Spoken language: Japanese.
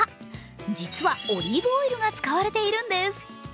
実は、オリーブオイルが使われているんです。